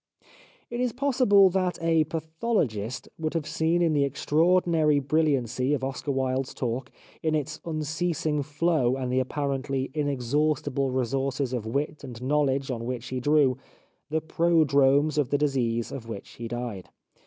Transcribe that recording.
It is possible that a pathologist would have seen in the extraordinary brilliancy of Oscar Wilde's talk, in its unceasing flow and the ap parently inexhaustible resources of wit and knowledge on which he drew, the prodromes of the disease of which he died.